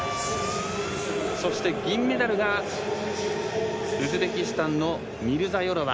そして銀メダルがウズベキスタンのミルザヨロワ。